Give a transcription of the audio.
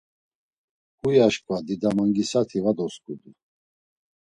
Huy aşǩva Didamangisati var dosǩudu.